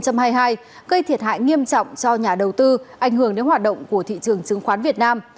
gây thiệt hại nghiêm trọng cho nhà đầu tư ảnh hưởng đến hoạt động của thị trường chứng khoán việt nam